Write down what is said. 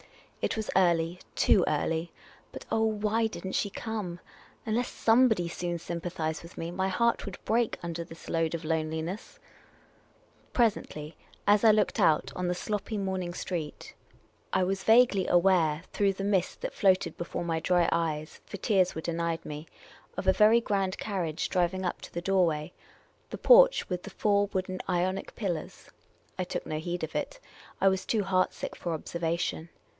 It was early, too early, but — oh, why did n't .she come ! Unless somebody soon sym pathised with me, my heart would break under this load of loneliness ! Presently, as I looked out on the sloppy morning street. The Oriental Attendant 95 I was vaguely aware through the mist that floated before my dry eyes (for tears were denied me) of a very grand carriage driving up to the doorway — the porch with the four wooden Ionic pillars. I took no heed of it. I was too heart sick for observation.